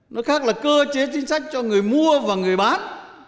nó khác là cơ chế chính sách cho người mua và người bán